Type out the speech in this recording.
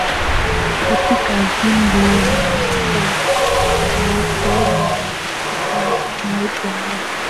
katika Jimbo la Stavropol Na katika moja ya